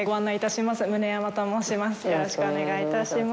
よろしくお願いします。